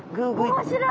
面白い。